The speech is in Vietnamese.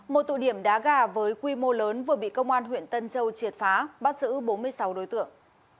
một tụ điểm đá gà với quy mô lớn vừa bị công an huyện tân châu triệt phá bắt giữ bốn mươi sáu đối tượng